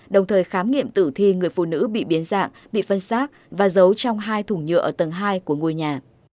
đồng thời khám nghiệm tử thi người phụ nữ bị biến dạng bị phân xác và giấu trong hai thùng nhựa ở tầng hai của ngôi nhà